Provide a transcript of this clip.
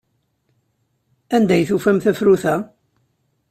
Anda ay tufam tafrut-a?